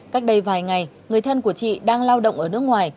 cách đây vài ngày người thân của chị đang lao động ở nước ngoài